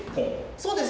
そうです